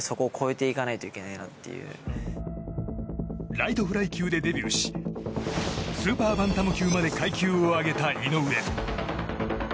ライトフライ級でデビューしスーパーバンタム級まで階級を上げた井上。